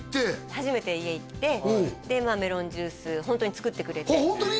初めて家行ってでメロンジュースホントに作ってくれてホントに？